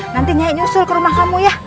nanti nyai nyusul ke rumah kamu ya